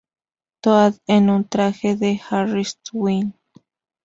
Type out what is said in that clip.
Toad en un traje de "Harris Tweed".